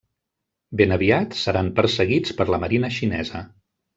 Ben aviat seran perseguits per la marina xinesa.